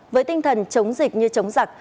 với tinh thần chống dịch như chống giặc